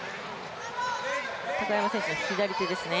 高山選手の左手ですね。